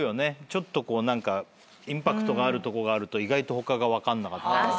ちょっとこう何かインパクトがあるとこがあると意外と他が分かんなかったり。